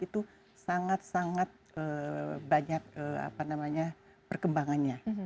itu sangat sangat banyak apa namanya perkembangannya